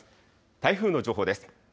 台風の情報です。